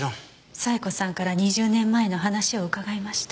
冴子さんから２０年前の話を伺いました。